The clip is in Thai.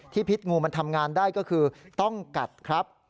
พิษงูมันทำงานได้ก็คือต้องกัดครับ